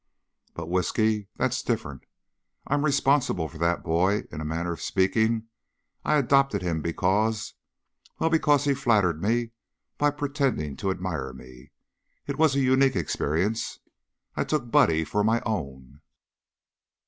But whisky! That's different. I'm responsible for that boy; in a manner of speaking, I adopted him because well, because he flattered me by pretending to admire me. It was a unique experience. I took Buddy for my own.